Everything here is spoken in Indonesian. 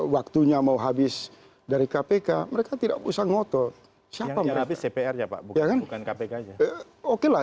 waktunya mau habis dari kpk mereka tidak usah ngotot siapa habis dpr ya pak bukan kpk oke lah